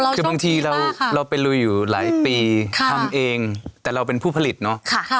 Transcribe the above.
คือบางทีเราไปลุยอยู่หลายปีทำเองแต่เราเป็นผู้ผลิตเนาะ